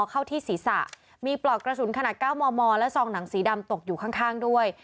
เข้าที่ศีรษะมีปลอกกระสุนขนาด๙มมและซองหนังสีดำตกอยู่ข้างด้วย